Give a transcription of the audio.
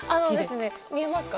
見えますか？